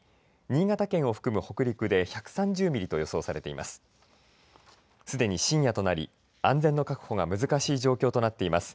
新潟県を含む北陸で１３０ミリと予想されています。